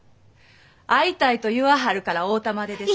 会いたいと言わはるから会うたまでです。